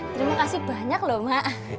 terima kasih banyak loh mak